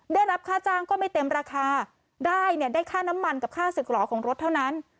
ได้รับค่าจ้างก็ไม่เต็มราคาได้เนี่ยได้ค่าน้ำมันกับค่าศึกหล่อของรถเท่านั้น